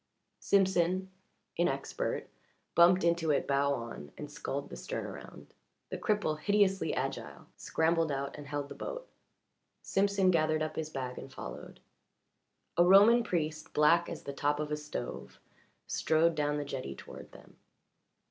Simpson, inexpert, bumped into it bow on, and sculled the stern around. The cripple, hideously agile, scrambled out and held the boat; Simpson gathered up his bag and followed. A Roman priest, black as the top of a stove, strode down the jetty toward them.